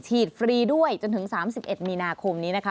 ฟรีด้วยจนถึง๓๑มีนาคมนี้นะคะ